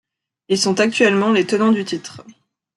Ils sont actuellement les tenants du titre.